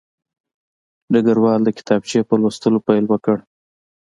ډګروال د کتابچې په لوستلو پیل وکړ